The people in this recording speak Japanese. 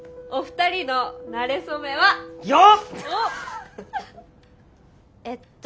お二人のなれ初めは？よっ！